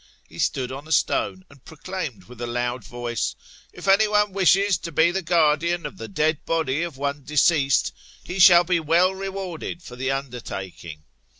He stood on a stone, and proclaimed with a loud voice : If any one wishes to be the guardian of the dead body of one deceased, he shall be well rewarded for the undertaking.